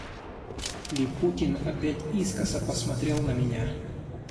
Липутин опять искоса посмотрел на меня.